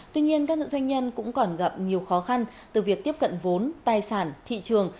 tuy nhiên các nữ doanh nhân cũng còn gặp nhiều khó khăn từ việc tiếp cận vốn tài sản thị trường